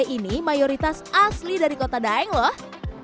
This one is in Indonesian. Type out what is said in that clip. ini mayoritas asli dari kota daeng loh